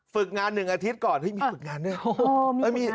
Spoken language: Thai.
ฝึกงาน๑อาทิตย์ก่อนมีฝึกงานนี่